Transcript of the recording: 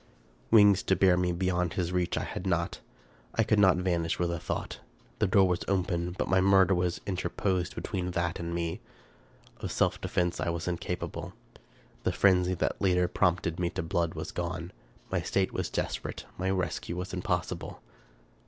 Wings to bear me beyond his reach I had not. I could not vanish with a thought. The door was open, but my murderer was interposed between that and me. Of self defense I was incapable. The frenzy that lately prompted me to blood was gone : my state was desperate ; my rescue was impossible.